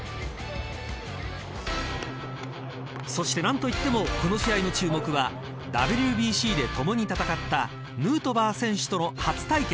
そして、何といってもこの試合の注目はＷＢＣで共に戦ったヌートバー選手との初対決。